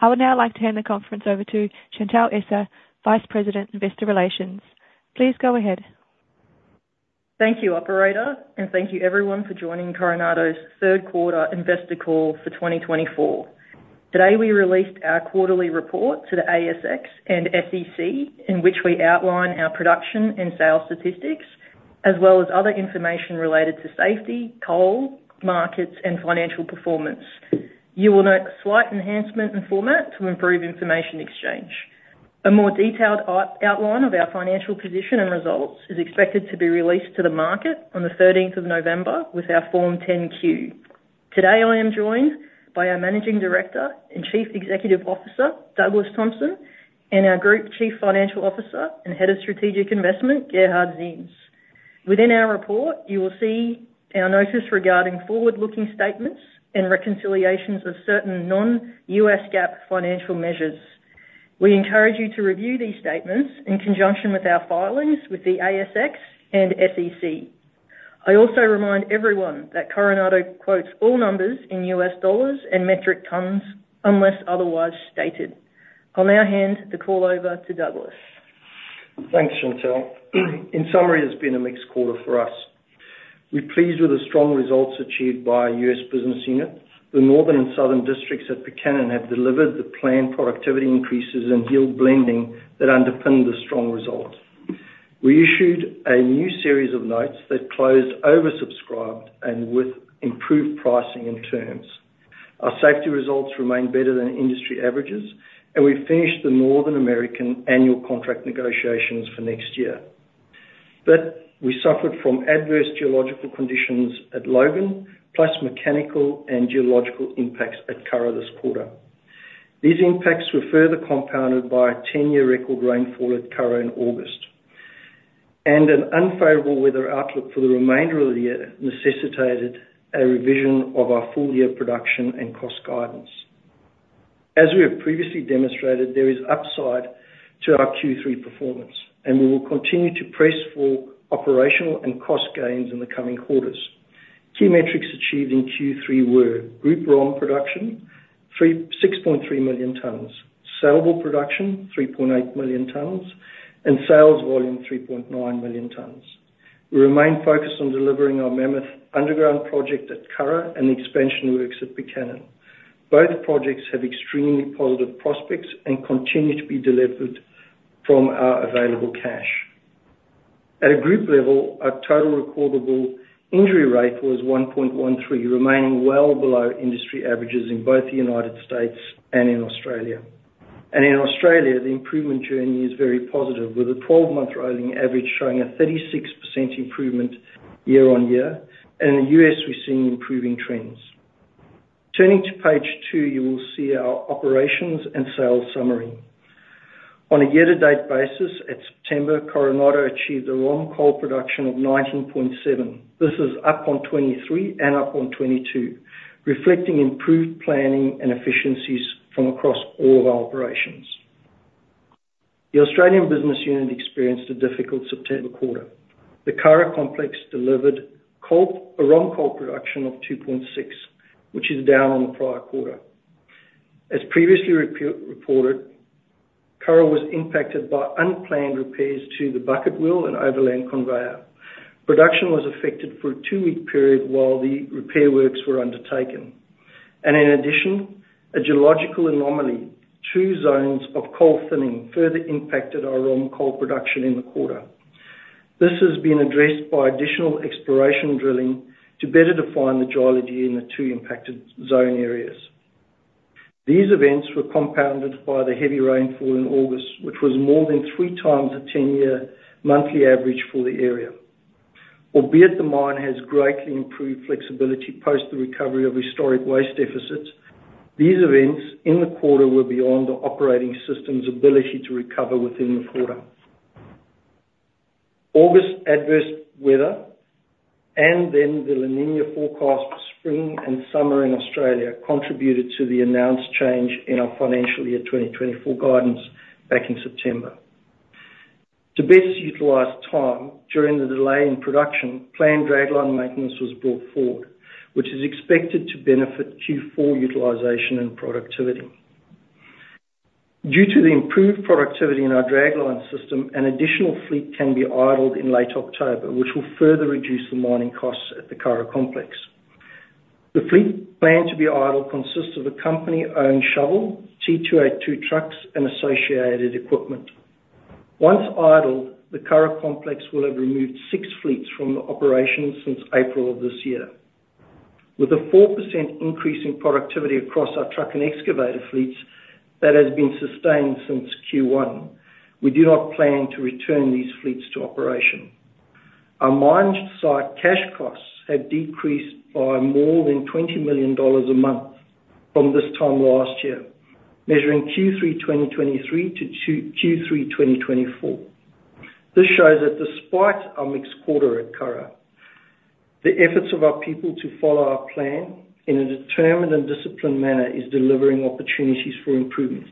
I would now like to hand the conference over to Chantelle Essa, Vice President, Investor Relations. Please go ahead. Thank you, operator, and thank you everyone for joining Coronado's third quarter investor call for 2024. Today, we released our quarterly report to the ASX and SEC, in which we outline our production and sales statistics, as well as other information related to safety, coal, markets, and financial performance. You will note a slight enhancement in format to improve information exchange. A more detailed outline of our financial position and results is expected to be released to the market on the 13th of November with our Form 10-Q. Today, I am joined by our Managing Director and Chief Executive Officer, Douglas Thompson, and our Group Chief Financial Officer and Head of Strategic Investment, Gerhard Ziems. Within our report, you will see our notice regarding forward-looking statements and reconciliations of certain non-U.S. GAAP financial measures. We encourage you to review these statements in conjunction with our filings with the ASX and SEC. I also remind everyone that Coronado quotes all numbers in U.S. dollars and metric tonnes, unless otherwise stated. I'll now hand the call over to Douglas. Thanks, Chantelle. In summary, it's been a mixed quarter for us. We're pleased with the strong results achieved by our U.S. business unit. The Northern and Southern Districts at Buchanan have delivered the planned productivity increases and yield blending that underpinned the strong result. We issued a new series of notes that closed oversubscribed and with improved pricing and terms. Our safety results remain better than industry averages, and we've finished the North American annual contract negotiations for next year. But we suffered from adverse geological conditions at Logan, plus mechanical and geological impacts at Curragh this quarter. These impacts were further compounded by a ten-year record rainfall at Curragh in August, and an unfavorable weather outlook for the remainder of the year necessitated a revision of our full-year production and cost guidance. As we have previously demonstrated, there is upside to our Q3 performance, and we will continue to press for operational and cost gains in the coming quarters. Key metrics achieved in Q3 were: group raw production, 6.3 million tonnes, saleable production, 3.8 million tonnes, and sales volume, 3.9 million tonnes. We remain focused on delivering our Mammoth Underground project at Curragh and the expansion works at Buchanan. Both projects have extremely positive prospects and continue to be delivered from our available cash. At a group level, our total recordable injury rate was 1.13, remaining well below industry averages in both the United States and in Australia. In Australia, the improvement journey is very positive, with a twelve-month rolling average showing a 36% improvement year on year, and in the U.S., we're seeing improving trends. Turning to page two, you will see our operations and sales summary. On a year-to-date basis, at September, Coronado achieved a raw coal production of nineteen point seven. This is up on twenty-three and up on twenty-two, reflecting improved planning and efficiencies from across all of our operations. The Australian business unit experienced a difficult September quarter. The Curragh complex delivered coal, a raw coal production of two point six, which is down on the prior quarter. As previously reported, Curragh was impacted by unplanned repairs to the bucket wheel and overland conveyor. Production was affected for a two-week period while the repair works were undertaken. In addition, a geological anomaly, two zones of coal thinning, further impacted our raw coal production in the quarter. This has been addressed by additional exploration drilling to better define the geology in the two impacted zone areas. These events were compounded by the heavy rainfall in August, which was more than three times the 10-year monthly average for the area. Albeit, the mine has greatly improved flexibility post the recovery of historic waste deficits, these events in the quarter were beyond the operating system's ability to recover within the quarter. August adverse weather, and then the La Niña forecast spring and summer in Australia, contributed to the announced change in our financial year 2024 guidance back in September. To best utilize time during the delay in production, planned dragline maintenance was brought forward, which is expected to benefit Q4 utilization and productivity. Due to the improved productivity in our dragline system, an additional fleet can be idled in late October, which will further reduce the mining costs at the Curragh Complex. The fleet planned to be idle consists of a company-owned shovel, T282 trucks, and associated equipment. Once idled, the Curragh Complex will have removed six fleets from the operation since April of this year. With a 4% increase in productivity across our truck and excavator fleets, that has been sustained since Q1, we do not plan to return these fleets to operation. Our mine site cash costs have decreased by more than $20 million a month from this time last year, measuring Q3 2023 to Q3 2024. This shows that despite our mixed quarter at Curragh, the efforts of our people to follow our plan in a determined and disciplined manner is delivering opportunities for improvement.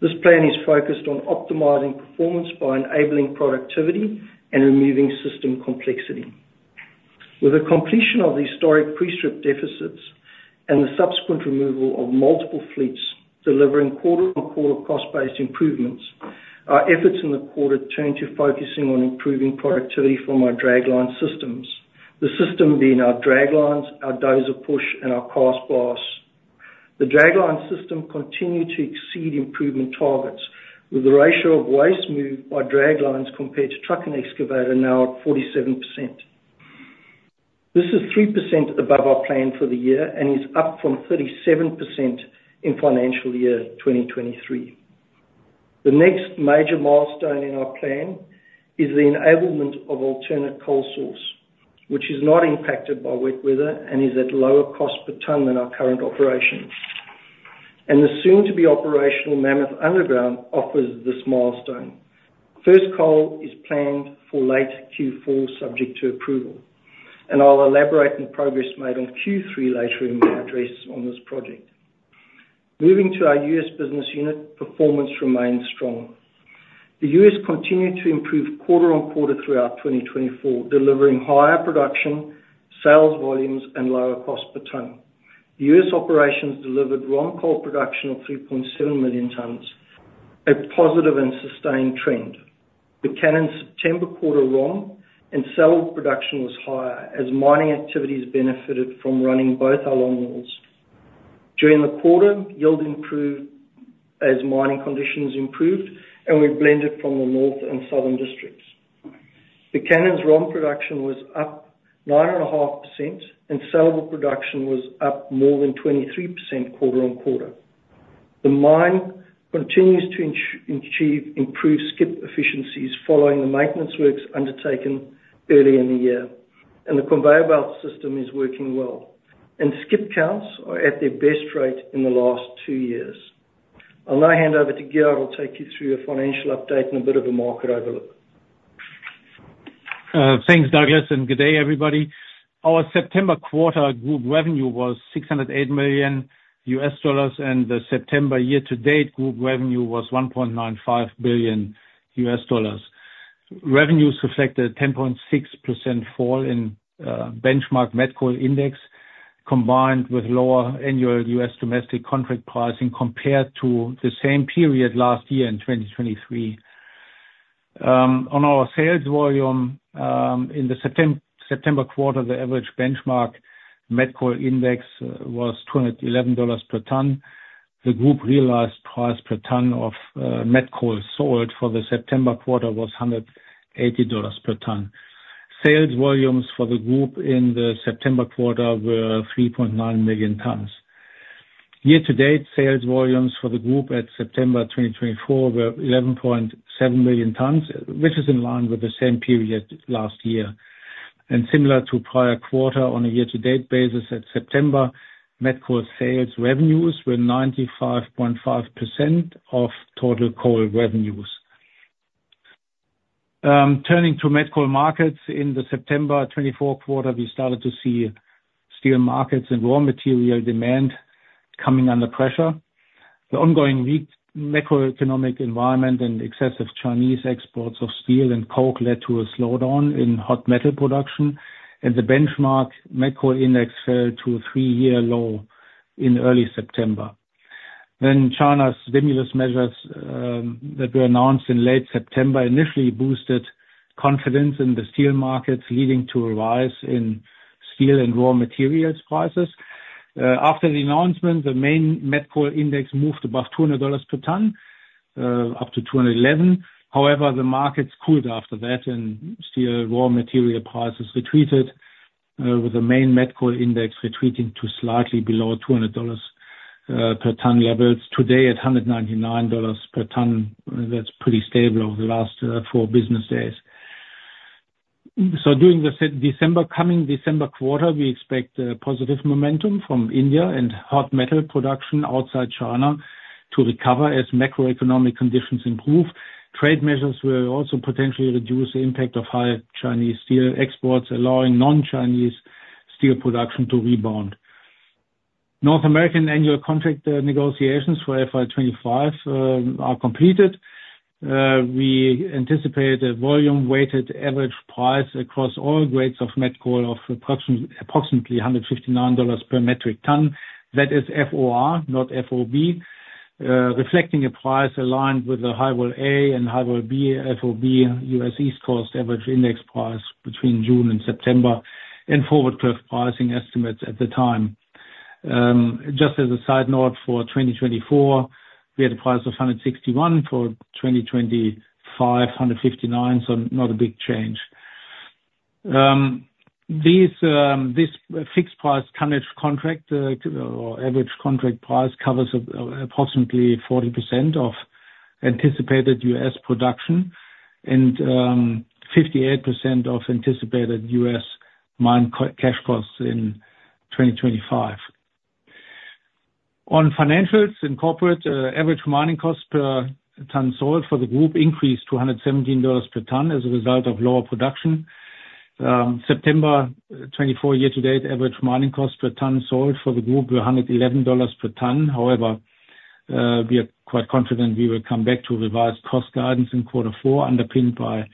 This plan is focused on optimizing performance by enabling productivity and removing system complexity. With the completion of the historic pre-strip deficits and the subsequent removal of multiple fleets, delivering quarter on quarter cost-based improvements, our efforts in the quarter turned to focusing on improving productivity from our dragline systems. The system being our draglines, our dozer push, and our cast blast. The dragline system continued to exceed improvement targets, with the ratio of waste moved by draglines compared to truck and excavator now at 47%. This is 3% above our plan for the year and is up from 37% in financial year 2023. The next major milestone in our plan is the enablement of alternate coal source, which is not impacted by wet weather and is at lower cost per tonne than our current operations. And the soon-to-be operational Mammoth Underground offers this milestone. First coal is planned for late Q4, subject to approval, and I'll elaborate on progress made on Q3 later in my address on this project. Moving to our U.S. business unit, performance remains strong. The U.S. continued to improve quarter on quarter throughout 2024, delivering higher production, sales volumes, and lower cost per tonne. U.S. operations delivered raw coal production of 3.7 million tonnes, a positive and sustained trend. Buchanan's September quarter raw and saleable production was higher as mining activities benefited from running both our longwalls. During the quarter, yield improved as mining conditions improved, and we blended from the Northern and Southern Districts. Buchanan's raw production was up 9.5%, and saleable production was up more than 23% quarter on quarter. The mine continues to achieve improved skip efficiencies following the maintenance works undertaken early in the year, and the conveyor belt system is working well, and skip counts are at their best rate in the last two years. I'll now hand over to Gerhard, who will take you through a financial update and a bit of a market outlook. Thanks, Douglas, and good day, everybody. Our September quarter group revenue was $608 million, and the September year-to-date group revenue was $1.95 billion. Revenues reflected a 10.6% fall in benchmark met coal index, combined with lower annual U.S. domestic contract pricing compared to the same period last year in 2023. On our sales volume, in the September quarter, the average benchmark met coal index was $211 per tonne. The group realized price per tonne of met coal sold for the September quarter was $180 per tonne. Sales volumes for the group in the September quarter were 3.9 million tonnes. Year to date, sales volumes for the group at September 2024 were 11.7 million tonnes, which is in line with the same period last year. And similar to prior quarter, on a year-to-date basis, at September, met coal sales revenues were 95.5% of total coal revenues. Turning to met coal markets, in the September 2024 quarter, we started to see steel markets and raw material demand coming under pressure. The ongoing weak macroeconomic environment and excessive Chinese exports of steel and coke led to a slowdown in hot metal production, and the Benchmark Met Coal Index fell to a three-year low in early September. Then China's stimulus measures, that were announced in late September, initially boosted confidence in the steel markets, leading to a rise in steel and raw materials prices. After the announcement, the main met coal index moved above $200 per tonne, up to $211. However, the market cooled after that, and steel raw material prices retreated, with the main met coal index retreating to slightly below $200 per tonne levels, today at $199 per tonne. That's pretty stable over the last four business days. During the coming December quarter, we expect positive momentum from India and hot metal production outside China to recover as macroeconomic conditions improve. Trade measures will also potentially reduce the impact of high Chinese steel exports, allowing non-Chinese steel production to rebound. North American annual contract negotiations for FY 2025 are completed. We anticipate a volume-weighted average price across all grades of met coal of approximately $159 per metric tonne. That is FOR, not FOB, reflecting a price aligned with the High Vol A and High Vol B, FOB, U.S. East Coast average index price between June and September, and forward curve pricing estimates at the time. Just as a side note, for 2024, we had a price of $161. For 2025, $159, so not a big change. This fixed price tonnage contract, or average contract price, covers approximately 40% of anticipated U.S. production and 58% of anticipated U.S. mine cash costs in 2025. On financials and corporate, average mining cost per tonne sold for the group increased to $117 per tonne as a result of lower production. September 2024 year to date, average mining cost per tonne sold for the group were $111 per tonne. We are quite confident we will come back to revised cost guidance in quarter four, underpinned by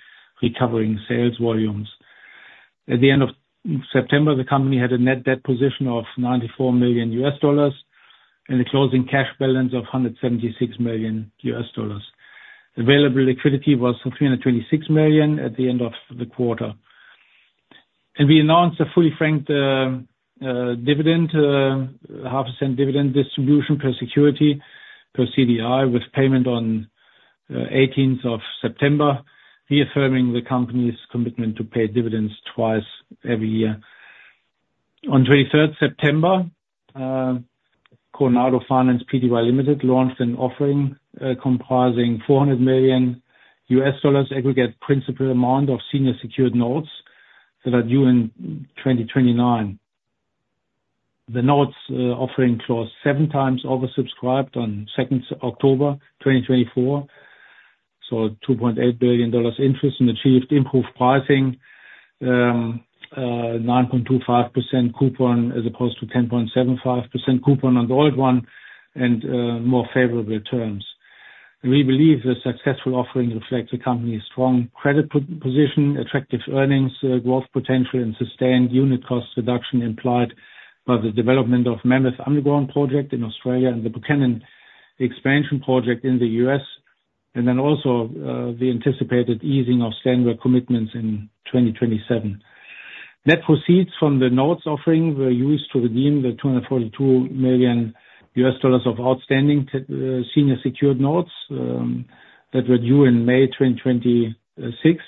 recovering sales volumes. At the end of September, the company had a net debt position of $94 million and a closing cash balance of $176 million. Available liquidity was $326 million at the end of the quarter, and we announced a fully franked 0.5% dividend distribution per security, per CDI, with payment on eighteenth of September, reaffirming the company's commitment to pay dividends twice every year. On 23rd September, Coronado Finance Pty Ltd launched an offering comprising $400 million aggregate principal amount of senior secured notes that are due in 2029. The notes offering closed seven times oversubscribed on 2nd October 2024, so $2.8 billion interest and achieved improved pricing, 9.25% coupon as opposed to 10.75% coupon on the old one and more favorable terms. We believe the successful offering reflects the company's strong credit position, attractive earnings growth potential, and sustained unit cost reduction implied by the development of Mammoth Underground project in Australia and the Buchanan expansion project in the U.S., and then also the anticipated easing of Stanwell commitments in 2027. Net proceeds from the notes offering were used to redeem the $242 million of outstanding senior secured notes that were due in May 2026.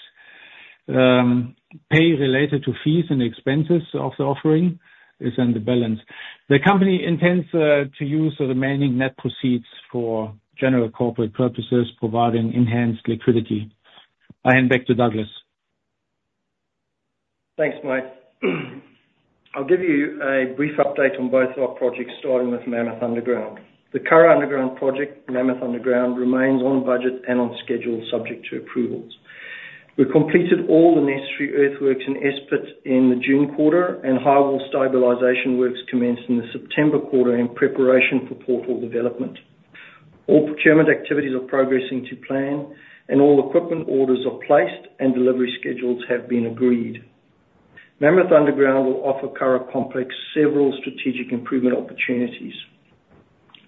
Payment related to fees and expenses of the offering is under balance. The company intends to use the remaining net proceeds for general corporate purposes, providing enhanced liquidity. I hand back to Douglas. Thanks, mate. I'll give you a brief update on both our projects, starting with Mammoth Underground. The Curragh Underground project, Mammoth Underground, remains on budget and on schedule, subject to approvals. We've completed all the necessary earthworks and S-Pit in the June quarter, and Highwall stabilization works commenced in the September quarter in preparation for portal development. All procurement activities are progressing to plan, and all equipment orders are placed and delivery schedules have been agreed. Mammoth Underground will offer Curragh Complex several strategic improvement opportunities.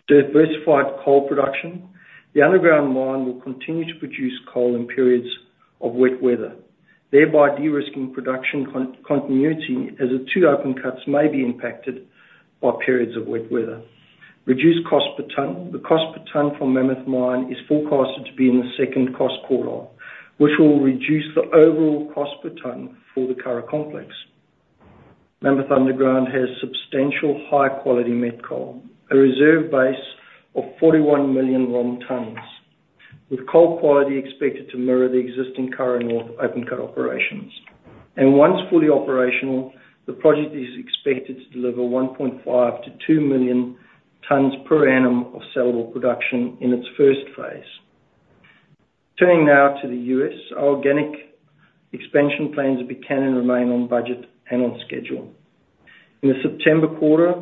Diversified coal production. The underground mine will continue to produce coal in periods of wet weather, thereby de-risking production continuity, as the two open cuts may be impacted by periods of wet weather. Reduced cost per tonne. The cost per tonne for Mammoth Mine is forecasted to be in the second cost quarter, which will reduce the overall cost per tonne for the Curragh Complex. Mammoth Underground has substantial high-quality met coal, a reserve base of 41 million long tonnes, with coal quality expected to mirror the existing Curragh North open cut operations, and once fully operational, the project is expected to deliver 1.5 million-2 million tonnes per annum of saleable production in its first phase. Turning now to the U.S., our organic expansion plans of Buchanan remain on budget and on schedule. In the September quarter,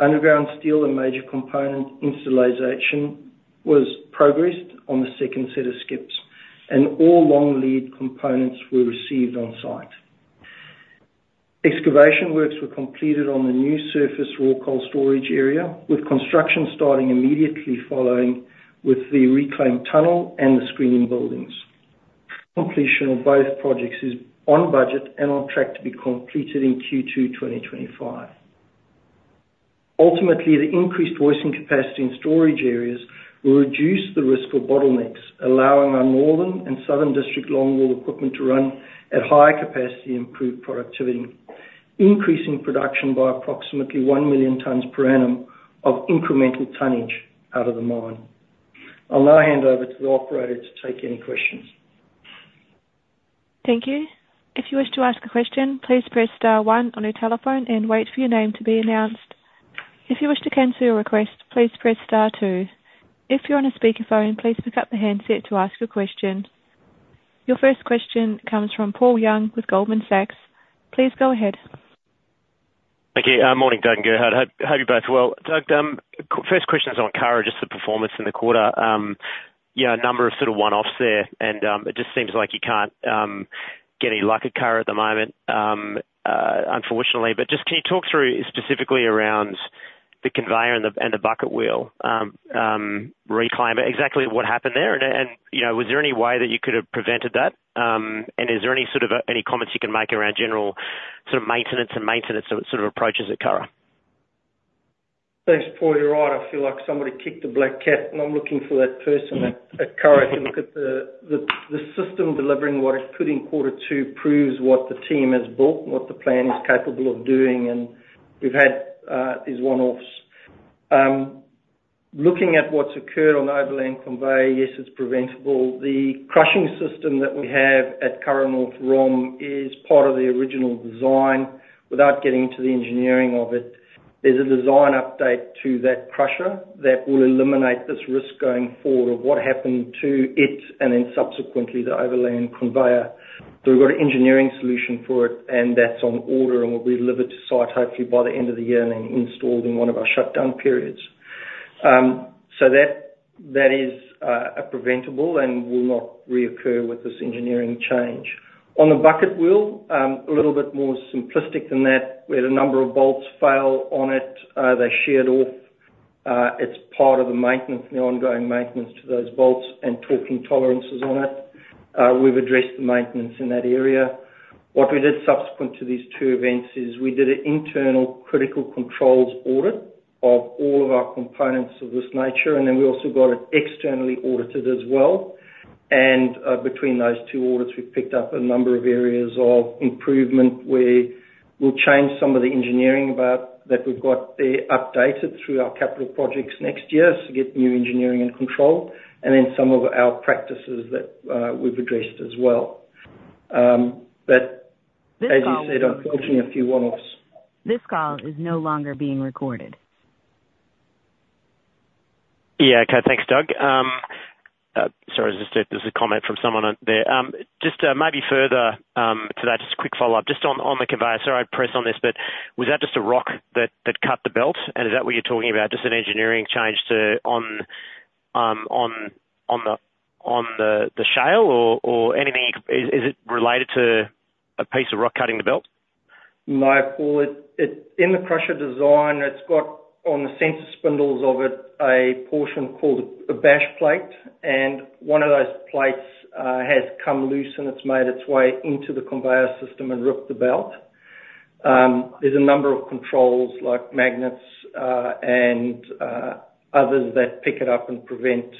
underground steel and major component installation was progressed on the second set of skips, and all long lead components were received on site. Excavation works were completed on the new surface raw coal storage area, with construction starting immediately following with the reclaim tunnel and the screening buildings. Completion of both projects is on budget and on track to be completed in Q2 2025. Ultimately, the increased handling capacity and storage areas will reduce the risk for bottlenecks, allowing our Northern and Southern District longwall equipment to run at higher capacity and improved productivity, increasing production by approximately one million tonnes per annum of incremental tonnage out of the mine. I'll now hand over to the operator to take any questions. Thank you. If you wish to ask a question, please press star one on your telephone and wait for your name to be announced. If you wish to cancel your request, please press star two. If you're on a speakerphone, please pick up the handset to ask your question. Your first question comes from Paul Young with Goldman Sachs. Please go ahead. Thank you. Morning, Doug and Gerhard. Hope you're both well. Doug, first question is on Curragh, just the performance in the quarter. Yeah, a number of sort of one-offs there, and it just seems like you can't get any luck at Curragh at the moment, unfortunately. But just can you talk through specifically around the conveyor and the bucket wheel reclaim, exactly what happened there? And you know, was there any way that you could have prevented that? And is there any sort of comments you can make around general sort of maintenance and sort of approaches at Curragh? Thanks, Paul. You're right. I feel like somebody kicked a black cat, and I'm looking for that person at Curragh. If you look at the system delivering what it could in quarter two proves what the team has built and what the plan is capable of doing, and we've had these one-offs. Looking at what's occurred on the overland conveyor, yes, it's preventable. The crushing system that we have at Curragh North ROM is part of the original design. Without getting into the engineering of it, there's a design update to that crusher that will eliminate this risk going forward of what happened to it and then subsequently the overland conveyor. So we've got an engineering solution for it, and that's on order and will be delivered to site hopefully by the end of the year and installed in one of our shutdown periods. So that is a preventable and will not reoccur with this engineering change. On the bucket wheel, a little bit more simplistic than that. We had a number of bolts fail on it. They sheared off. It's part of the maintenance, the ongoing maintenance to those bolts and torquing tolerances on it. We've addressed the maintenance in that area. What we did subsequent to these two events is we did an internal critical controls audit of all of our components of this nature, and then we also got it externally audited as well. Between those two audits, we've picked up a number of areas of improvement where we'll change some of the engineering about, that we've got there updated through our capital projects next year to get new engineering and control, and then some of our practices that we've addressed as well. As you said, unfortunately, a few one-offs. This call is no longer being recorded. Yeah, okay. Thanks, Doug. Sorry, just there, there's a comment from someone on there. Just maybe further to that, just a quick follow-up. Just on the conveyor. Sorry, I press on this, but was that just a rock that cut the belt? And is that what you're talking about, just an engineering change to the shale or anything? Is it related to a piece of rock cutting the belt? No, Paul, in the crusher design, it's got on the center spindles of it, a portion called a bash plate, and one of those plates has come loose, and it's made its way into the conveyor system and ripped the belt. There's a number of controls like magnets and others that pick it up and prevent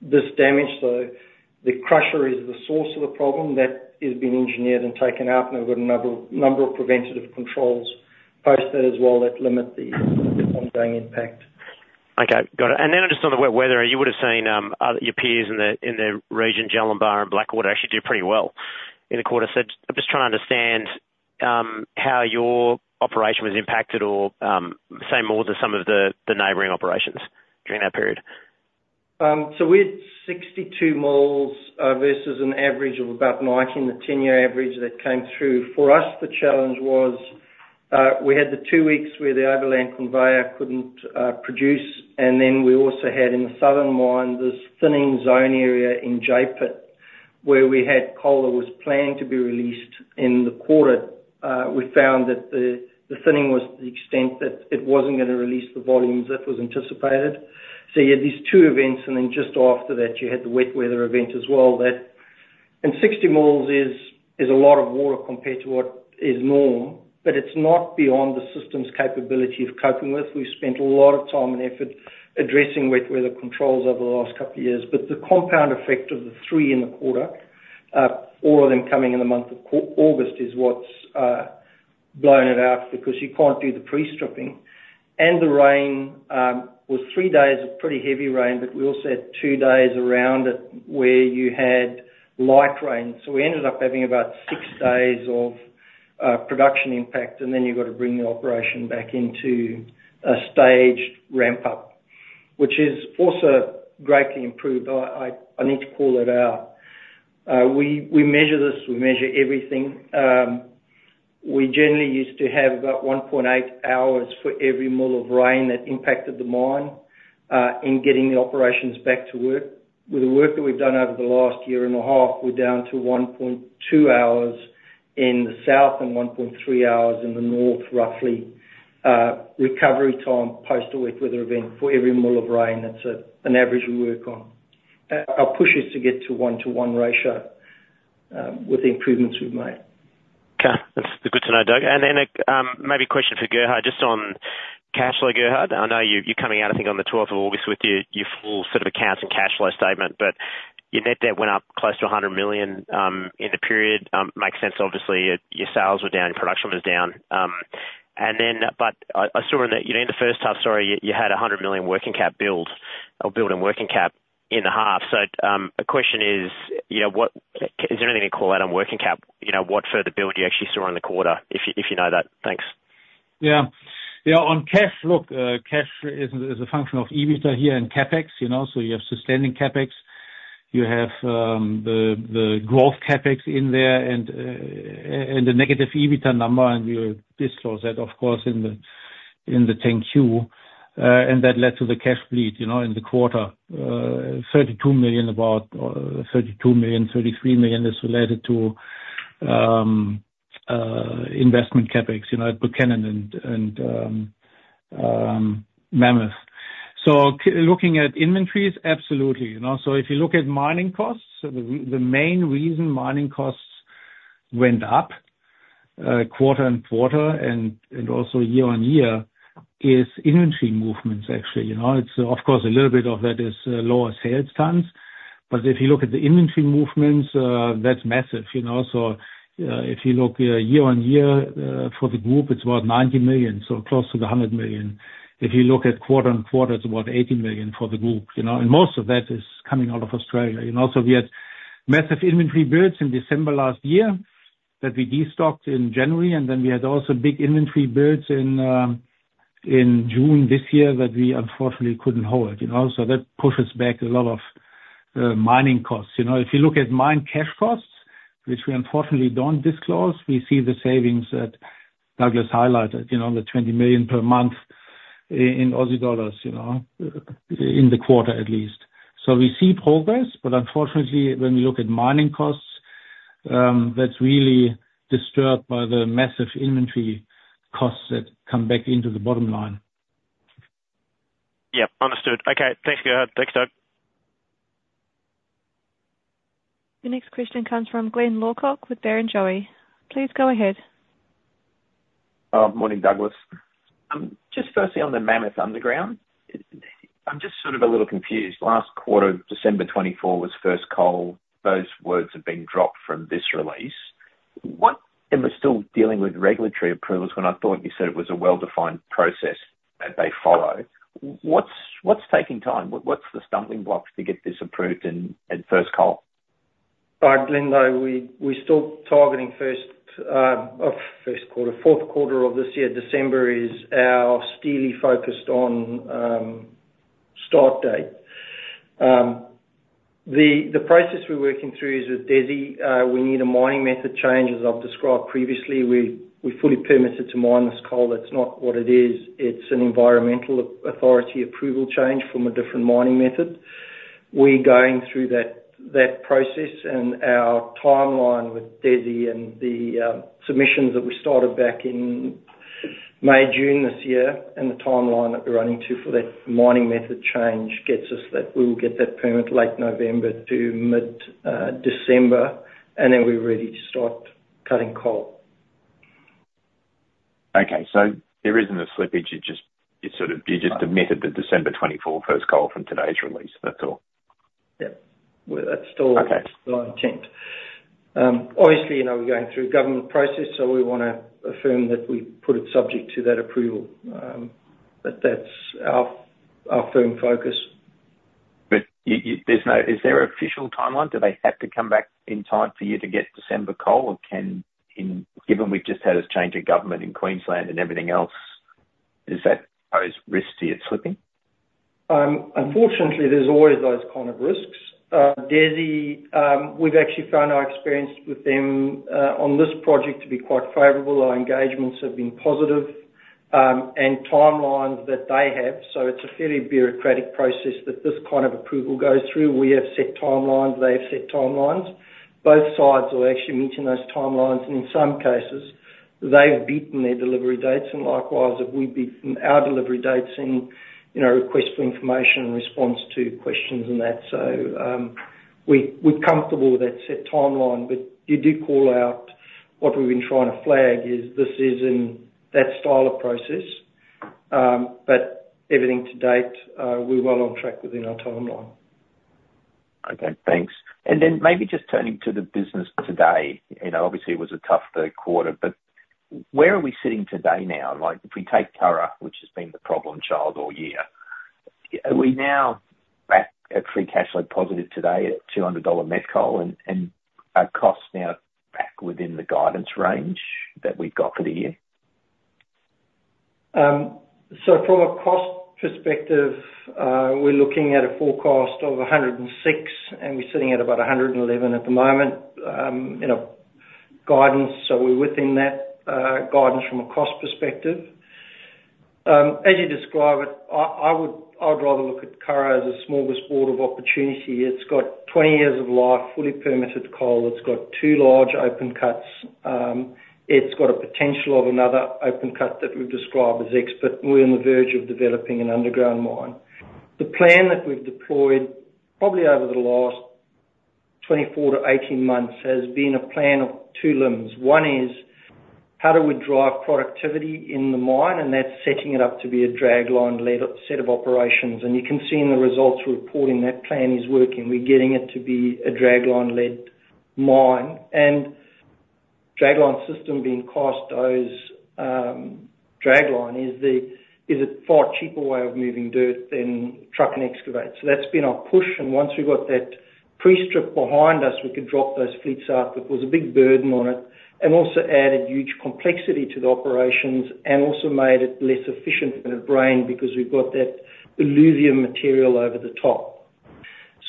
this damage. So the crusher is the source of the problem that is being engineered and taken out, and we've got a number of preventative controls post that as well, that limit the ongoing impact. Okay, got it. And then just on the wet weather, you would've seen your peers in the region, Goonyella and Blackwater, actually do pretty well in the quarter. So I'm just trying to understand how your operation was impacted or same as some of the neighboring operations during that period. So we had 62 mm versus an average of about 19, the 10-year average that came through. For us, the challenge was we had the two weeks where the overland conveyor couldn't produce, and then we also had, in the southern mine, this thinning zone area in J-Pit, where we had coal that was planning to be released in the quarter. We found that the thinning was to the extent that it wasn't gonna release the volumes that was anticipated. So you had these two events, and then just after that, you had the wet weather event as well. That, and 60 mm is a lot of water compared to what is norm, but it's not beyond the system's capability of coping with. We've spent a lot of time and effort addressing wet weather controls over the last couple of years. But the compound effect of the three in the quarter, all of them coming in the month of August, is what's blown it out, because you can't do the pre-stripping. And the rain was three days of pretty heavy rain, but we also had two days around it where you had light rain. So we ended up having about six days of production impact, and then you've got to bring the operation back into a staged ramp-up, which is also greatly improved. I need to call it out. We measure this, we measure everything. We generally used to have about one point eight hours for every mil of rain that impacted the mine in getting the operations back to work. With the work that we've done over the last year and a half, we're down to 1.2 hours in the south and 1.3 hours in the north, roughly, recovery time, post a wet weather event for every mil of rain. That's an average we work on. Our push is to get to 1-to-1 ratio, with the improvements we've made. Okay. That's good to know, Doug. And then, maybe a question for Gerhard, just on cash flow, Gerhard. I know you're coming out, I think, on the twelfth of August with your full set of accounts and cash flow statement, but your net debt went up close to $100 million in the period. Makes sense. Obviously, your sales were down, your production was down. And then, but I saw in the, you know, in the first half story, you had a $100 million working cap build in working cap in the half. So, the question is, you know, is there anything to call out on working cap? You know, what further build you actually saw in the quarter, if you know that? Thanks. Yeah. Yeah, on cash, look, cash is a function of EBITDA here and CapEx, you know, so you have sustaining CapEx. You have the growth CapEx in there and the negative EBITDA number, and we will disclose that, of course, in the 10-Q. And that led to the cash bleed, you know, in the quarter. $32 million, about $32 million-$33 million is related to investment CapEx, you know, at Buchanan and Mammoth. So looking at inventories, absolutely. You know, so if you look at mining costs, the main reason mining costs went up quarter on quarter and also year on year is inventory movements, actually. You know, it's, of course, a little bit of that is lower sales tonnes. But if you look at the inventory movements, that's massive, you know. So, if you look, year on year, for the group, it's about ninety million, so close to the hundred million. If you look at quarter on quarter, it's about eighty million for the group, you know, and most of that is coming out of Australia. You know, so we had massive inventory builds in December last year that we destocked in January, and then we had also big inventory builds in,... in June this year that we unfortunately couldn't hold, you know, so that pushes back a lot of mining costs. You know, if you look at mine cash costs, which we unfortunately don't disclose, we see the savings that Douglas highlighted, you know, the 20 million per month in Aussie dollars, you know, in the quarter at least. So we see progress, but unfortunately, when we look at mining costs, that's really disturbed by the massive inventory costs that come back into the bottom line. Yep, understood. Okay. Thank you. Thanks, Doug. The next question comes from Glyn Lawcock with Barrenjoey. Please go ahead. Morning, Douglas. Just firstly, on the Mammoth Underground, I'm just sort of a little confused. Last quarter, December twenty-fourth, was first coal. Those words have been dropped from this release. What? And we're still dealing with regulatory approvals, when I thought you said it was a well-defined process that they follow. What's taking time? What's the stumbling blocks to get this approved in first coal? Glyn, though, we're still targeting fourth quarter of this year. December is our solely focused-on start date. The process we're working through is with DESI. We need a mining method change, as I've described previously. We're fully permitted to mine this coal. That's not what it is. It's an environmental authority approval change from a different mining method. We're going through that process, and our timeline with DESI and the submissions that we started back in May, June this year, and the timeline that we're running to for that mining method change gets us that we will get that permit late November to mid December, and then we're ready to start cutting coal. Okay, so there isn't a slippage. You just admitted the December twenty-fourth first coal from today's release. That's all. Yeah. Well, that's still- Okay. Our intent. Obviously, you know, we're going through government process, so we wanna affirm that we put it subject to that approval, but that's our firm focus. Is there an official timeline? Do they have to come back in time for you to get December coal, or, given we've just had a change of government in Queensland and everything else, is that pose risk to you slipping? Unfortunately, there's always those kind of risks. DESI, we've actually found our experience with them on this project to be quite favorable. Our engagements have been positive, and timelines that they have. So it's a fairly bureaucratic process that this kind of approval goes through. We have set timelines, they have set timelines. Both sides are actually meeting those timelines, and in some cases, they've beaten their delivery dates, and likewise, if we've beaten our delivery dates in, you know, request for information and response to questions and that. So, we're comfortable with that set timeline, but you did call out what we've been trying to flag is, this is in that style of process, but everything to date, we're well on track within our timeline. Okay, thanks. And then maybe just turning to the business today, you know, obviously, it was a tough third quarter, but where are we sitting today now? Like, if we take Curragh, which has been the problem child all year, are we now back at free cash flow positive today at $200 met coal and are costs now back within the guidance range that we've got for the year? So from a cost perspective, we're looking at a forecast of $106, and we're sitting at about $111 at the moment in a guidance. So we're within that guidance from a cost perspective. As you describe it, I would rather look at Curragh as a smorgasbord of opportunity. It's got 20 years of life, fully permitted coal. It's got two large open cuts. It's got a potential of another open cut that we've described as X, but we're on the verge of developing an underground mine. The plan that we've deployed probably over the last 24 to 18 months has been a plan of two limbs. One is, how do we drive productivity in the mine? And that's setting it up to be a dragline-led set of operations. You can see in the results reporting that plan is working. We're getting it to be a dragline-led mine. The dragline system being cost, those dragline is a far cheaper way of moving dirt than truck and excavate. So that's been our push, and once we got that pre-strip behind us, we could drop those fleets off. It was a big burden on it, and also added huge complexity to the operations, and also made it less efficient in the rain because we've got that alluvial material over the top.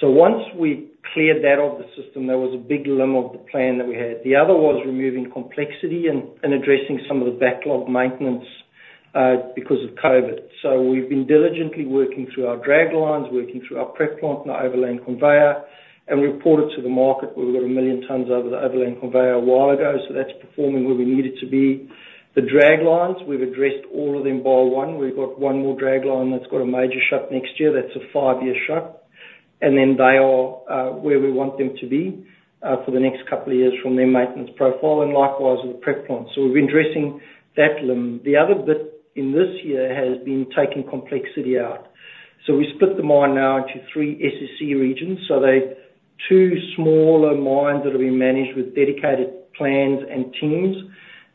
So once we cleared that of the system, there was a big limb of the plan that we had. The other was removing complexity and addressing some of the backlog maintenance because of COVID. So we've been diligently working through our draglines, working through our prep plant and our overland conveyor, and we reported to the market where we got a million tonnes over the overland conveyor a while ago, so that's performing where we need it to be. The draglines, we've addressed all of them bar one. We've got one more dragline that's got a major shut next year. That's a five-year shut. And then they are where we want them to be for the next couple of years from their maintenance profile, and likewise with the prep plant. So we've been addressing that limb. The other bit in this year has been taking complexity out. So we split the mine now into three SSC regions. They're two smaller mines that'll be managed with dedicated plans and teams,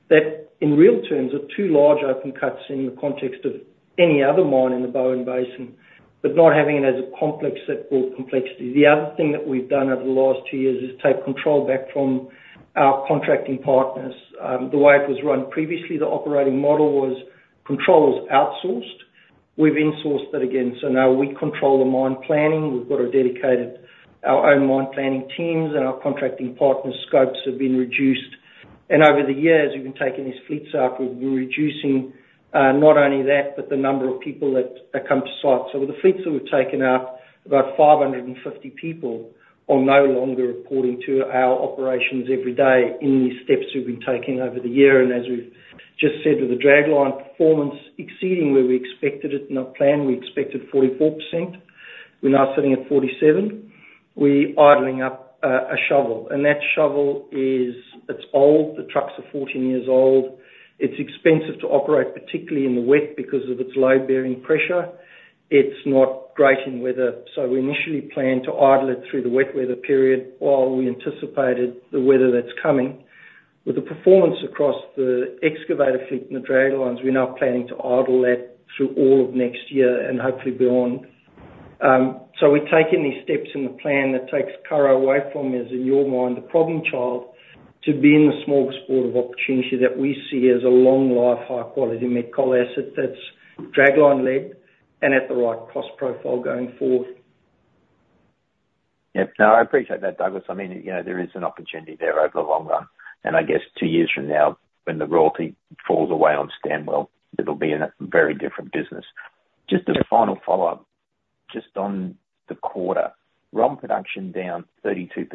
that in real terms, are two large open cuts in the context of any other mine in the Bowen Basin, but not having it as a complex that built complexity. The other thing that we've done over the last two years is take control back from our contracting partners. The way it was run previously, the operating model was control outsourced. We've in-sourced it again, so now we control the mine planning. We've got a dedicated, our own mine planning teams, and our contracting partner scopes have been reduced. Over the years, we've been taking these fleets out. We've been reducing, not only that, but the number of people that come to site. With the fleets that we've taken out, about 550 people are no longer reporting to our operations every day in the steps we've been taking over the year. As we've just said, with the dragline performance exceeding where we expected it in our plan, we expected 44%. We're now sitting at 47%. We're idling up a shovel, and that shovel is, it's old. The trucks are 14 years old. It's expensive to operate, particularly in the wet, because of its load-bearing pressure. It's not great in weather. We initially planned to idle it through the wet weather period while we anticipated the weather that's coming. With the performance across the excavator fleet and the draglines, we're now planning to idle that through all of next year and hopefully beyond. We've taken these steps in the plan that takes Curragh away from, as in your mind, the problem child, to being the small support of opportunity that we see as a long life, high quality met coal asset that's dragline-led and at the right cost profile going forward. Yep. No, I appreciate that, Douglas. I mean, you know, there is an opportunity there over the long run, and I guess two years from now, when the royalty falls away on Stanwell, it'll be in a very different business. Just as a final follow-up, just on the quarter, ROM production down 32%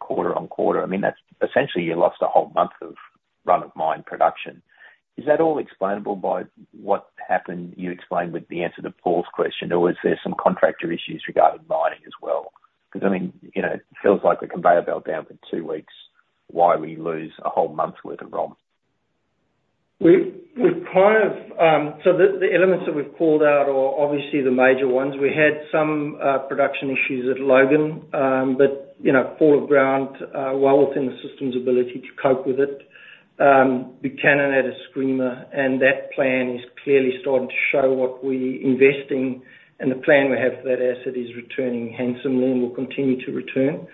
quarter on quarter. I mean, that's essentially you lost a whole month of run-of-mine production. Is that all explainable by what happened, you explained, with the answer to Paul's question, or was there some contractor issues regarding mining as well? Because, I mean, you know, it feels like the conveyor belt down for two weeks, why we lose a whole month's worth of ROM. We've kind of. So the elements that we've called out are obviously the major ones. We had some production issues at Logan, but, you know, fall of ground, well within the system's ability to cope with it. Buchanan had a screamer, and that plan is clearly starting to show what we investing, and the plan we have for that asset is returning handsomely and will continue to return.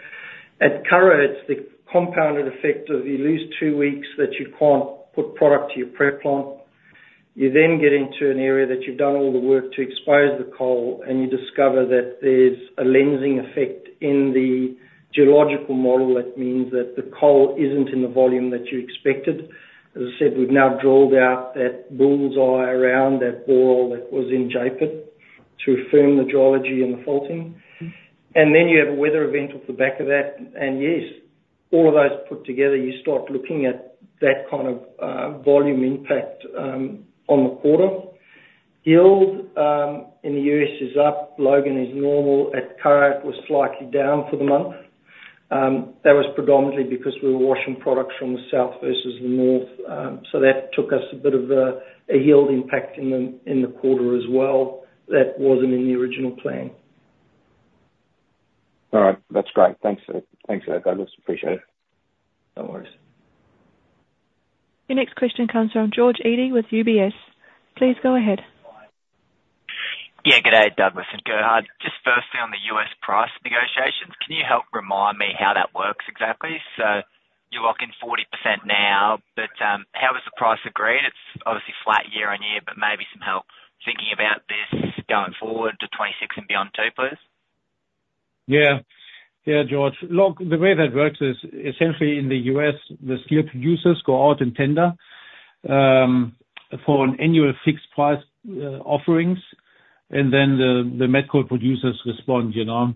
At Curragh, it's the compounded effect of you lose two weeks that you can't put product to your prep plant. You then get into an area that you've done all the work to expose the coal, and you discover that there's a lensing effect in the geological model that means that the coal isn't in the volume that you expected. As I said, we've now drawn out that bull's-eye around that bore that was in J-Pit to affirm the geology and the faulting. And then you have a weather event off the back of that, and yes, all of those put together, you start looking at that kind of volume impact on the quarter. Yield in the U.S. is up. Logan is normal, at Curragh was slightly down for the month. That was predominantly because we were washing products from the south versus the north, so that took us a bit of a yield impact in the quarter as well. That wasn't in the original plan. All right. That's great. Thanks for that. Thanks for that, Douglas. Appreciate it. No worries. Your next question comes from George Eadie with UBS. Please go ahead. Yeah, good day, Douglas and Gerhard. Just firstly, on the U.S. price negotiations, can you help remind me how that works exactly? So you lock in 40% now, but how is the price agreed? It's obviously flat year on year, but maybe some help thinking about this going forward to 2026 and beyond, too, please. Yeah. Yeah, George. Look, the way that works is, essentially, in the U.S., the steel producers go out and tender for an annual fixed price offerings, and then the met coal producers respond, you know.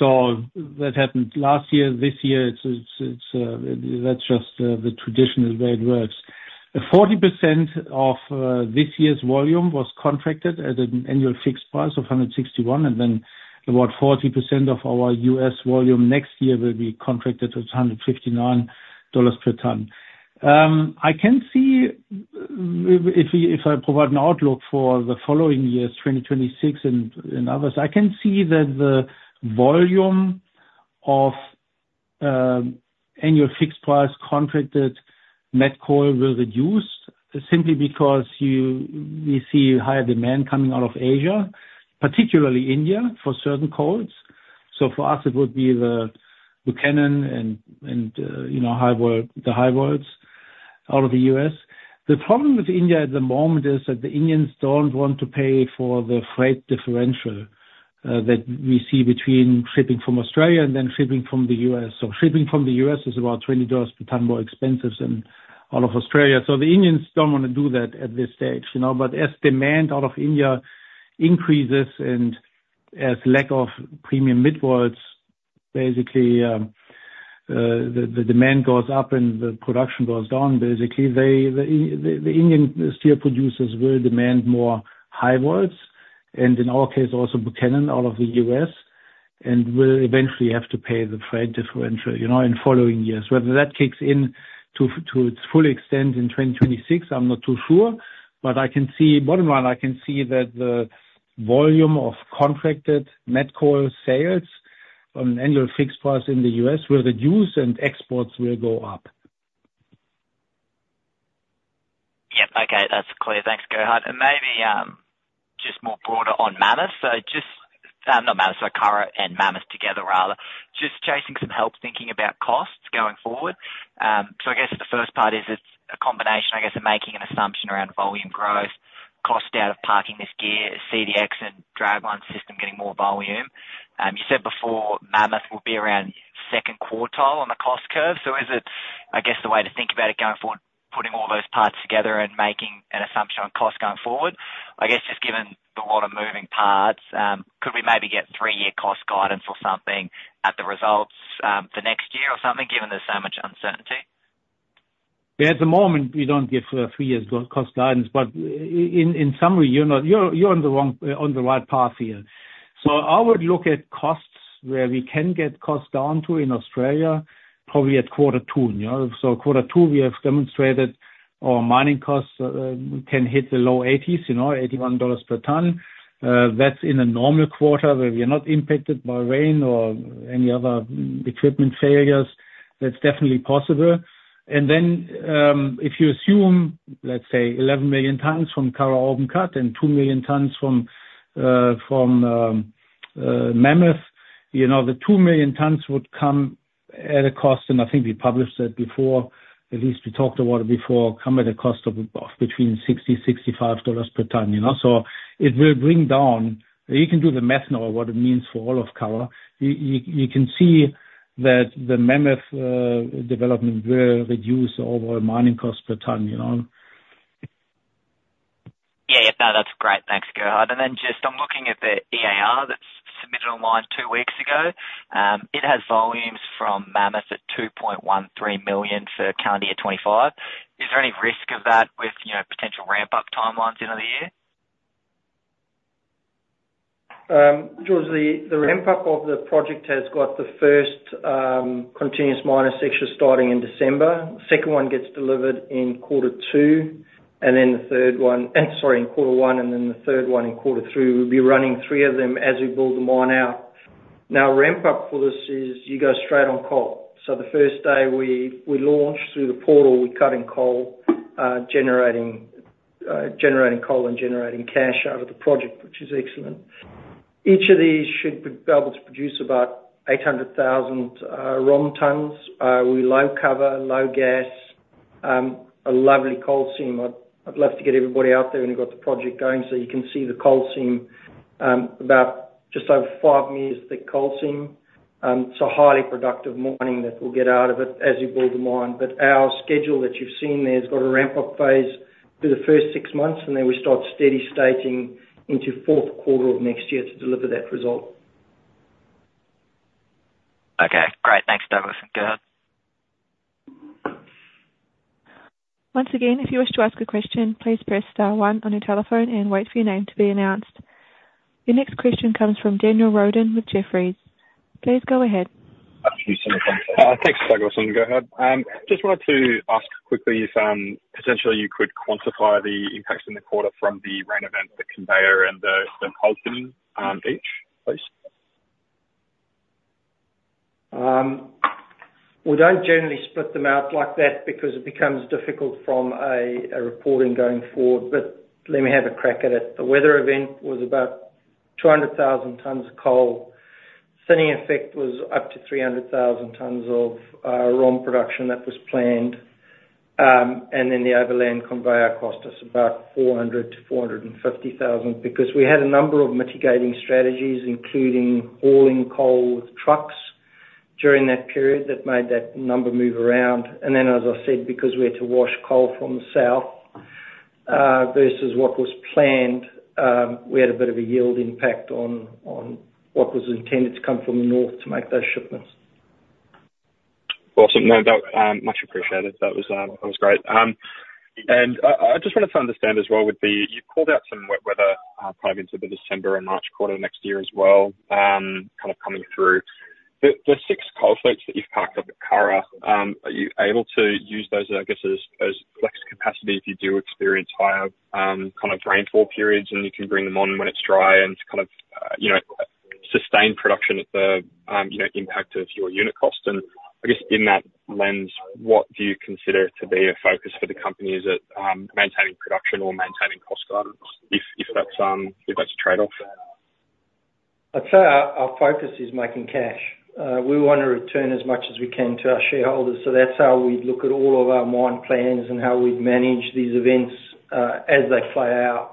So that happened last year. This year, that's just the traditional way it works. 40% of this year's volume was contracted at an annual fixed price of 161, and then about 40% of our U.S. volume next year will be contracted at $159 per tonne. I can see, if we, if I provide an outlook for the following years, twenty twenty-six and others, I can see that the volume of annual fixed price contracted met coal will reduce, simply because you, we see higher demand coming out of Asia, particularly India, for certain coals. So for us, it would be the Buchanan and you know, high vols out of the U.S. The problem with India at the moment is that the Indians don't want to pay for the freight differential that we see between shipping from Australia and then shipping from the U.S. So shipping from the U.S. is about $20 per tonne more expensive than out of Australia. So the Indians don't wanna do that at this stage, you know, but as demand out of India increases and as lack of premium mid vols, basically, the demand goes up and the production goes down, basically, the Indian steel producers will demand more high vols, and in our case, also Buchanan out of the U.S., and will eventually have to pay the freight differential, you know, in following years. Whether that kicks in to its full extent in 2026, I'm not too sure, but I can see... bottom line, I can see that the volume of contracted met coal sales on an annual fixed price in the U.S. will reduce, and exports will go up. Yep. Okay, that's clear. Thanks, Gerhard. And maybe just more broader on Mammoth. So not Mammoth, so Curragh and Mammoth together, rather. Just chasing some help, thinking about costs going forward. So I guess the first part is, it's a combination, I guess, of making an assumption around volume growth, cost out of parking this gear, CDX and dragline system getting more volume. You said before, Mammoth will be around second quartile on the cost curve. So is it, I guess, the way to think about it going forward, putting all those parts together and making an assumption on cost going forward? I guess, just given a lot of moving parts, could we maybe get three-year cost guidance or something at the results, for next year or something, given there's so much uncertainty? Yeah, at the moment, we don't give three years of cost guidance, but in summary, you're on the right path here. So I would look at costs where we can get costs down to in Australia, probably at quarter two, you know. So quarter two, we have demonstrated our mining costs can hit the low eighties, you know, $81 per tonne. That's in a normal quarter, where we are not impacted by rain or any other equipment failures. That's definitely possible. And then, if you assume, let's say, 11 million tonnes from Curragh Open Cut and 2 million tonnes from Mammoth, you know, the 2 million tonnes would come at a cost, and I think we published that before, at least we talked about it before, come at a cost of between $60-$65 per tonne, you know? So it will bring down. You can do the math now, what it means for all of Curragh. You can see that the Mammoth development will reduce overall mining costs per tonne, you know? Yeah, yeah. No, that's great. Thanks, Gerhard. And then just I'm looking at the EAR that's submitted online two weeks ago. It has volumes from Mammoth at 2.13 million for calendar year 2025. Is there any risk of that with, you know, potential ramp-up timelines end of the year? George, the ramp-up of the project has got the first continuous miner section starting in December. Second one gets delivered in quarter one, and then the third one in quarter three. We'll be running three of them as we build the mine out. Now, ramp up for this is you go straight on coal. So the first day we launch through the portal, we're cutting coal, generating coal and generating cash out of the project, which is excellent. Each of these should be able to produce about 800,000 ROM tonnes. We're low cover, low gas, a lovely coal seam. I'd love to get everybody out there when we've got the project going, so you can see the coal seam, about just over five meters, thick coal seam. It's a highly productive mining that we'll get out of it, as you build the mine. But our schedule that you've seen there has got a ramp-up phase for the first six months, and then we start steady-stating into fourth quarter of next year to deliver that result. Okay, great. Thanks, Douglas and Gerhard. Once again, if you wish to ask a question, please press star one on your telephone and wait for your name to be announced. Your next question comes from Daniel Roden with Jefferies. Please go ahead. Thanks, Douglas and Gerhard. Just wanted to ask quickly if potentially you could quantify the impacts in the quarter from the rain event, the conveyor and the coal seam, each, please? We don't generally split them out like that because it becomes difficult from a reporting going forward, but let me have a crack at it. The weather event was about 200,000 tonnes of coal. Thinning effect was up to 300,000 tonnes of ROM production that was planned. Then the overland conveyor cost us about 400,000-450,000, because we had a number of mitigating strategies, including hauling coal with trucks during that period, that made that number move around. Then, as I said, because we had to wash coal from the south versus what was planned, we had a bit of a yield impact on what was intended to come from the north to make those shipments. Awesome. No, that much appreciated. That was great. And I just wanted to understand as well, with the, you called out some wet weather probably into the December and March quarter next year as well, kind of coming through. The six coal fleets that you've parked up at Curragh, are you able to use those, I guess, as flex capacity if you do experience higher kind of rainfall periods, and you can bring them on when it's dry and kind of, you know, sustain production at the, you know, impact of your unit cost? And I guess in that lens, what do you consider to be a focus for the company? Is it maintaining production or maintaining cost guidance, if that's a trade-off? I'd say our focus is making cash. We want to return as much as we can to our shareholders, so that's how we'd look at all of our mine plans and how we'd manage these events, as they play out.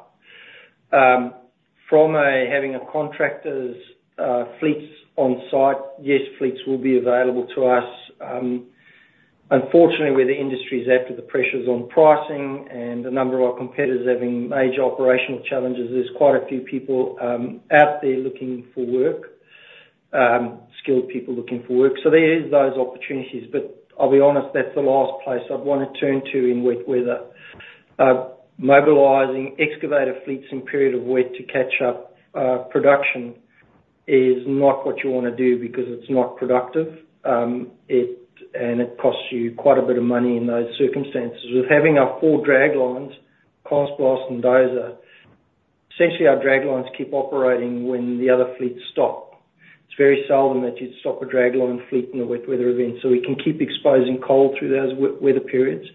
From having a contractor's fleets on site, yes, fleets will be available to us. Unfortunately, where the industry is at, with the pressures on pricing and a number of our competitors having major operational challenges, there's quite a few people out there looking for work, skilled people looking for work. So there is those opportunities, but I'll be honest, that's the last place I'd want to turn to in wet weather. Mobilizing excavator fleets in period of wet to catch up, production, is not what you want to do because it's not productive. It and it costs you quite a bit of money in those circumstances. With having our four draglines, constant blast and dozer, essentially, our draglines keep operating when the other fleets stop. It's very seldom that you'd stop a dragline fleet in a wet weather event, so we can keep exposing coal through those weather periods,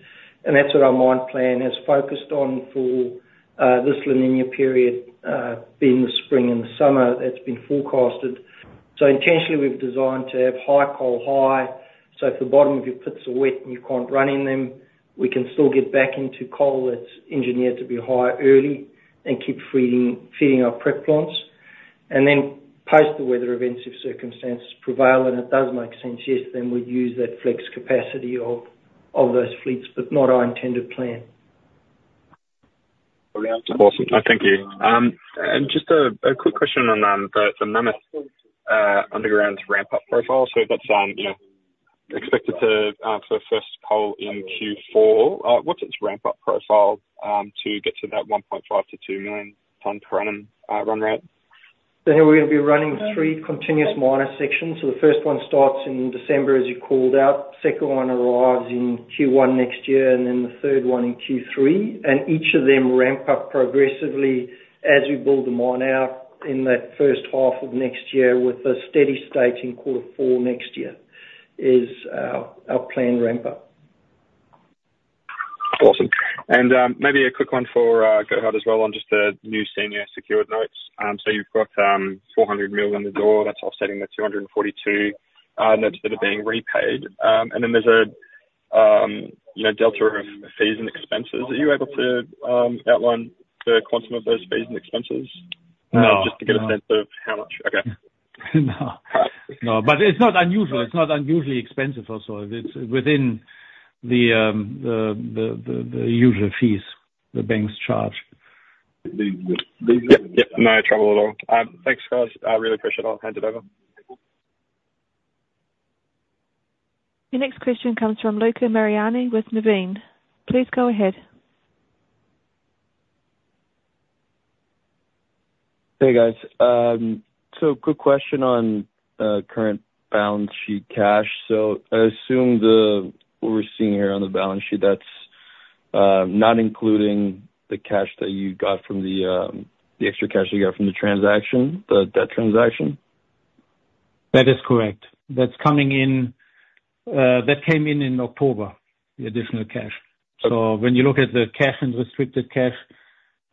and that's what our mine plan has focused on for this La Niña period, being the spring and the summer that's been forecasted. Intentionally, we've designed to have high coal high, so if the bottom of your pits are wet, and you can't run in them, we can still get back into coal that's engineered to be high early and keep feeding our prep plants. And then post the weather events, if circumstances prevail, and it does make sense, yes, then we'd use that flex capacity of those fleets, but not our intended plan. Awesome. Thank you. And just a quick question on the Mammoth Underground's ramp-up profile, so that's you know expected for first coal in Q4. What's its ramp-up profile to get to that 1.5-2 million tonnes per annum run rate? Here we're gonna be running three continuous miner sections. The first one starts in December, as you called out. Second one arrives in Q1 next year, and then the third one in Q3. Each of them ramp up progressively as we build the mine out in that first half of next year, with a steady state in quarter four next year, is our planned ramp up. Awesome. And maybe a quick one for Gerhard as well on just the new senior secured notes. So you've got $400 million undrawn. That's offsetting the $242 million notes that are being repaid. And then there's a you know delta of fees and expenses. Are you able to outline the cost of those fees and expenses? No. Just to get a sense of how much. Okay. No. No, but it's not unusual. It's not unusually expensive also. It's within the usual fees the banks charge. Yep, yep. No trouble at all. Thanks, guys. I really appreciate it. I'll hand it over. Your next question comes from Lucca Mariani with Nuveen. Please go ahead. Hey, guys. So quick question on current balance sheet cash. So I assume what we're seeing here on the balance sheet, that's not including the cash that you got from the extra cash you got from the transaction, that transaction? That is correct. That came in in October, the additional cash. Okay. When you look at the cash and restricted cash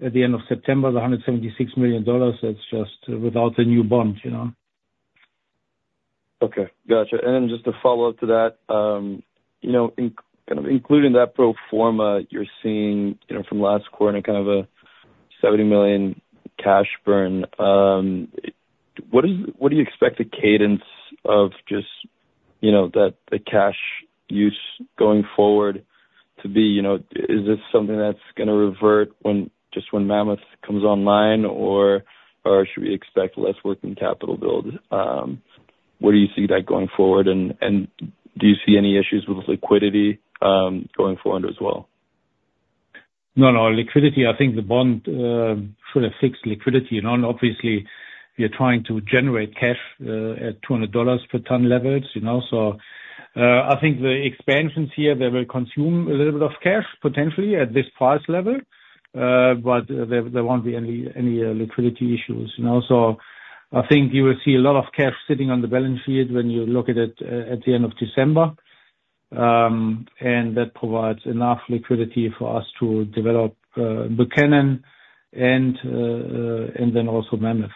at the end of September, the $176 million, that's just without the new bond, you know? Okay, gotcha. And then just a follow-up to that. You know, including that pro forma you're seeing, you know, from last quarter, kind of a $70 million cash burn. What do you expect the cadence of just, you know, that, the cash use going forward to be? You know, is this something that's gonna revert when just when Mammoth comes online, or should we expect less working capital build? Where do you see that going forward, and do you see any issues with liquidity going forward as well? No, no liquidity. I think the bond should have fixed liquidity. You know, and obviously, we are trying to generate cash at $200 per tonne levels, you know? So, I think the expansions here, they will consume a little bit of cash, potentially at this price level. But there won't be any liquidity issues, you know? So I think you will see a lot of cash sitting on the balance sheet when you look at it at the end of December. That provides enough liquidity for us to develop Buchanan and then also Mammoth.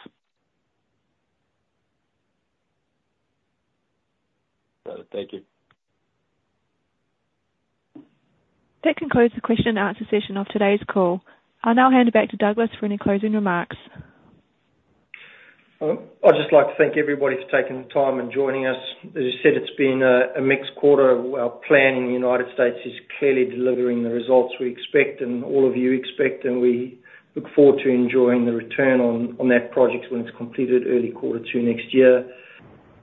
Got it. Thank you. That concludes the question and answer session of today's call. I'll now hand it back to Douglas for any closing remarks. I'd just like to thank everybody for taking the time and joining us. As I said, it's been a mixed quarter. Our plan in the United States is clearly delivering the results we expect, and all of you expect, and we look forward to enjoying the return on that project when it's completed early quarter two next year.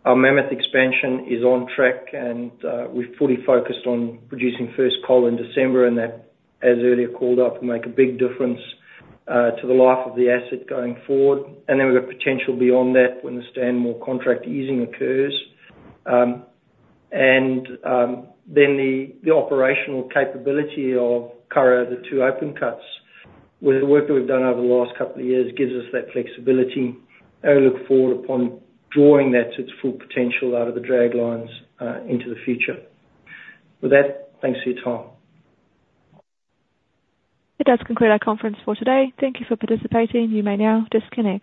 Our Mammoth expansion is on track, and we're fully focused on producing first coal in December, and that, as earlier called up, will make a big difference to the life of the asset going forward. Then we've got potential beyond that, when the Stanwell contract easing occurs. And then the operational capability of Curragh, the two open cuts, with the work that we've done over the last couple of years, gives us that flexibility, and we look forward upon drawing that to its full potential out of the draglines into the future. With that, thanks for your time. That does conclude our conference for today. Thank you for participating. You may now disconnect.